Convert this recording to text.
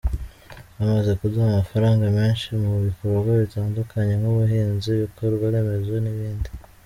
Bamaze kuduha amafaranga menshi mu bikorwa bitandukanye nk’ubuhinzi, ibikorwaremezo n’ibindi”.